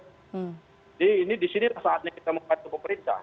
jadi ini disinilah saatnya kita mengatakan kepada pemerintah